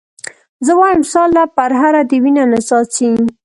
زه وایم ستا له پرهره دې وینه نه څاڅي.